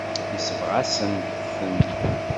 Yesbeɣ-asent-ten.